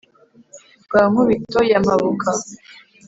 Rwa Nkubito ya Mpabuka